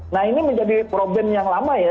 nah ini menjadi problem yang lama ya